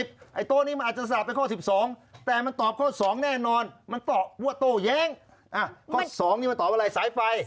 เพราะฉะนั้นจะตอบข้อไหนมันก็สายไฟ